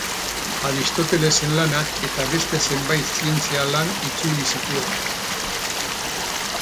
Aristotelesen lanak eta beste zenbait zientzia lan itzuli zituen.